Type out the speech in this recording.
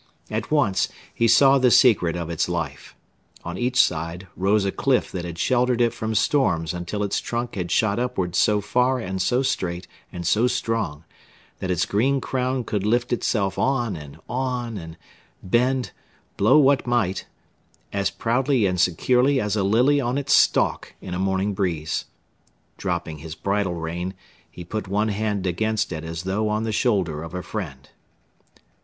At once, he saw the secret of its life. On each side rose a cliff that had sheltered it from storms until its trunk had shot upwards so far and so straight and so strong that its green crown could lift itself on and on and bend blow what might as proudly and securely as a lily on its stalk in a morning breeze. Dropping his bridle rein he put one hand against it as though on the shoulder of a friend.